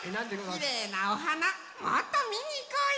きれいなおはなもっとみにいこうよ！